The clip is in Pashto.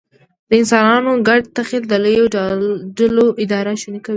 د انسانانو ګډ تخیل د لویو ډلو اداره شونې کوي.